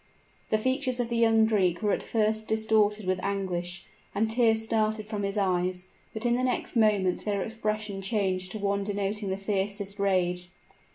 The features of the young Greek were at first distorted with anguish, and tears started from his eyes: but in the next moment their expression changed to one denoting the fiercest rage.